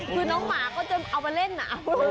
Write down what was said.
คือน้องหมาก็จะเอามาเล่นอ่ะ